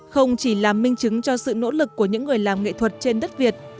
không chỉ làm minh chứng cho sự nỗ lực của những người làm nghệ thuật trên đất việt